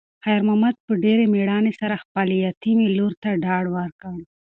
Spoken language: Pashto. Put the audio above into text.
خیر محمد په ډېرې مېړانې سره خپلې یتیمې لور ته ډاډ ورکړ.